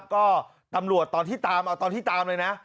ก็ตำรวจตอนที่ตามเอาตอนที่ตามเลยนะ